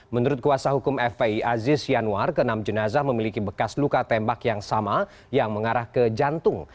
menurut kuasa hukum fpi aziz yanwar ke enam jenazah memiliki bekas luka tembak yang sama yang mengarah ke jantung